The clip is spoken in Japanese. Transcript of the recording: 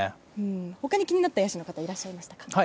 他に気になった野手の選手いらっしゃいましたか？